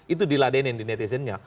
itu diladenin di netizennya